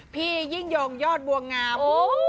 พี่ยิ่งยงยอดบัวงาม